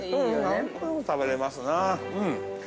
何個でも食べれますなぁ。